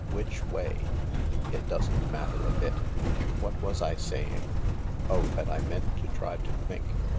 Which way ? It doesn't matter a bit. What was I saying ? Oh, that I meant to try to think.